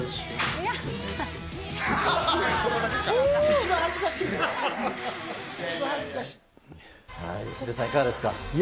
一番恥ずかしい。